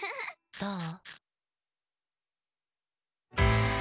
どう？